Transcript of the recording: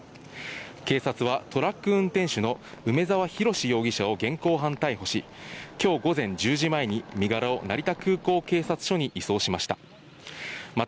警察はトラック運転手の梅沢洋容疑者を現行犯逮捕し、今日午前１０時前に身柄を成田空港警察署に移送しました。